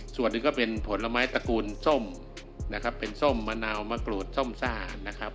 ส่วนหนึ่งก็เป็นผลไม้ตระกูลส้มนะครับเป็นส้มมะนาวมะกรูดส้มซ่านะครับ